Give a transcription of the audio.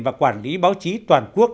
và quản lý báo chí toàn quốc